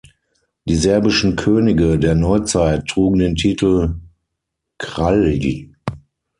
Die serbischen Könige der Neuzeit trugen den Titel „kralj“.